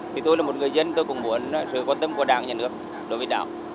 thì tôi là một người dân tôi cũng muốn sự quan tâm của đảng nhà nước đối với đảo